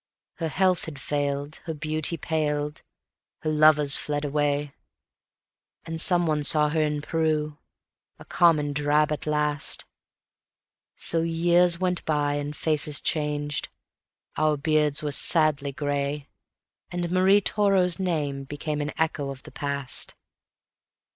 Her health had failed, her beauty paled, her lovers fled away; And some one saw her in Peru, a common drab at last. So years went by, and faces changed; our beards were sadly gray, And Marie Toro's name became an echo of the past.